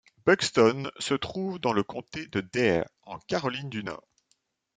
Buxton se trouve dans le comté de Dare, en Caroline du Nord.